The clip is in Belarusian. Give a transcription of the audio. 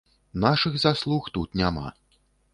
Нашых заслуг тут няма.